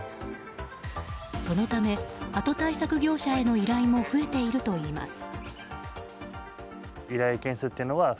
そのため、ハト対策業者への依頼も増えているといいます。